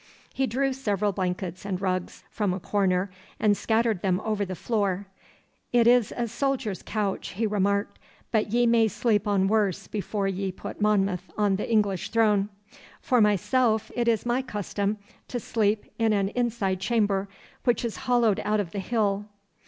He drew several blankets and rugs from a corner and scattered them over the floor. 'It is a soldier's couch,' he remarked; 'but ye may sleep on worse before ye put Monmouth on the English throne. For myself, it is my custom to sleep in an inside chamber, which is hollowed out of the hill.